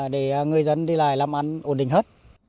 để người dân đi lại làm ăn ổn định hết